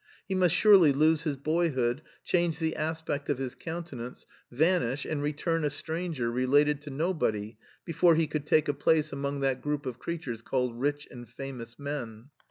He must surely lose his boyhood, change the aspect of his countenance, vanish, and re turn a stranger related to nobody, before he could take a place among that group of creatures called rich and famous men.